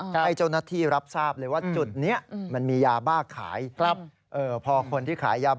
ให้เจ้าหน้าที่รับทราบเลยว่าจุดนี้มันมียาบ้าขาย